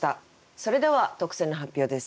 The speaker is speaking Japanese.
それでは特選の発表です。